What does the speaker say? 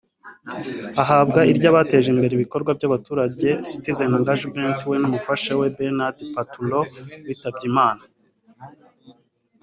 ahabwa iry’abateje imbere ibikorwa by’abaturage “Citizen Engagement” we n’umufasha we Bernard Patureau (witabye Imana)